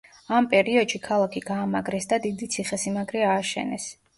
ამ პერიოდში ქალაქი გაამაგრეს და დიდი ციხესიმაგრე ააშენეს.